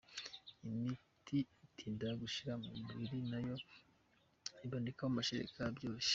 Imiti itinda gushira mu mubiri nayo iboneka mu mashereka byoroshye.